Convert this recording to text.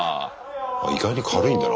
意外に軽いんだな。